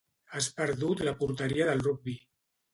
Has perdut la porteria de rugbi.